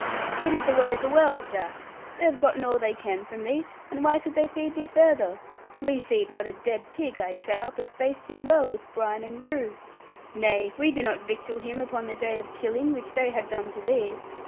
'It is the way of the world, Jack. They have gotten all they can from thee, and why should they feed thee further? We feed not a dead pig, I trow, but baste him well with brine and rue. Nay, we do not victual him upon the day of killing; which they have done to thee.